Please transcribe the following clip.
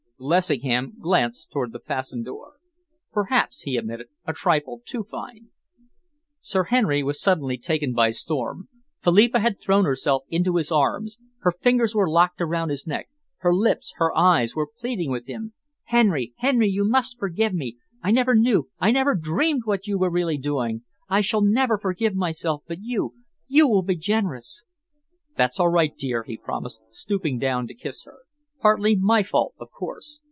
Lessingham glanced towards the fastened door. "Perhaps," he admitted, "a trifle too fine." Sir Henry was suddenly taken by storm. Philippa had thrown herself into his arms. Her fingers were locked around his neck. Her lips, her eyes, were pleading with him. "Henry! Henry, you must forgive me! I never knew I never dreamed what you were really doing. I shall never forgive myself, but you you will be generous." "That's all right, dear," he promised, stooping down to kiss her. "Partly my fault, of course.